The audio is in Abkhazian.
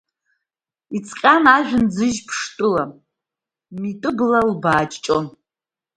Иҵҟьан ажәҩан ӡыжь ԥштәыла, митәы бла лбааҷҷон.